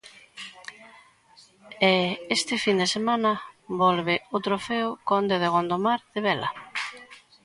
E esta fin de semana volve o Trofeo Conde de Gondomar de vela...